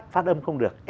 phát âm không được